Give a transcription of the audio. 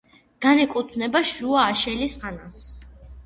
განეკუთვნება შუა აშელის ხანას.